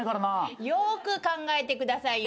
よーく考えてくださいよ。